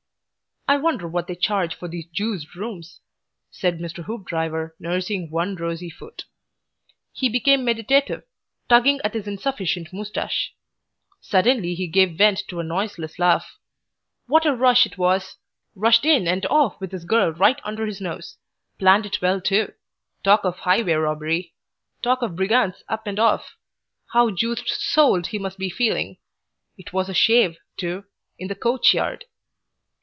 "I wonder what they charge for these Juiced rooms!" said Mr. Hoopdriver, nursing one rosy foot. He became meditative, tugging at his insufficient moustache. Suddenly he gave vent to a noiseless laugh. "What a rush it was! Rushed in and off with his girl right under his nose. Planned it well too. Talk of highway robbery! Talk of brigands Up and off! How juiced SOLD he must be feeling It was a shave too in the coach yard!"